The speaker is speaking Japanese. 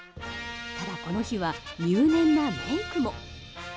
ただ、この日は入念なメイクも。